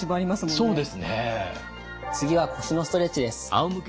次は腰のストレッチです。